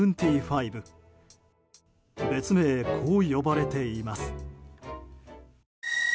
別名こう呼ばれています。